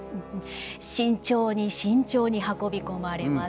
慎重に慎重に運び込まれます。